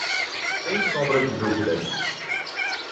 Sem sombra de dúvidas!